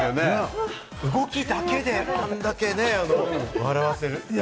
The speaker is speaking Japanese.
動きだけでこれだけ笑わせる。